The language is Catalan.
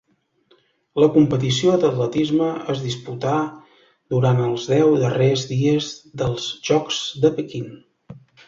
La competició d'atletisme es disputà durant els deu darrers dies dels Jocs de Pequín.